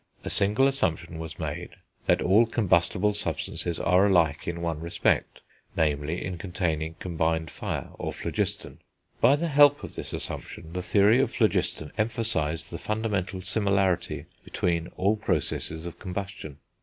A single assumption was made, that all combustible substances are alike in one respect, namely, in containing combined fire, or phlogiston; by the help of this assumption, the theory of phlogiston emphasised the fundamental similarity between all processes of combustion.